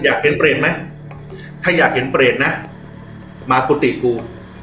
อยากเห็นเปรตไหมถ้าอยากเห็นเปรตนะมากุฏิกู